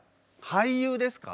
俳優ですか？